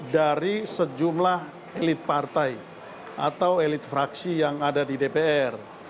dari sejumlah elit partai atau elit fraksi yang ada di dpr